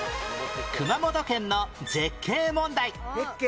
熊本県の絶景問題